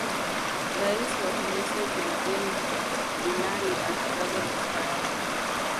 rais wa tunisia zinabedin binali atangaza kustaafu